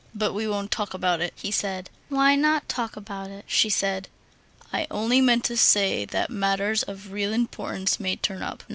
"But we won't talk about it," he said. "Why not talk about it?" she said. "I only meant to say that matters of real importance may turn up.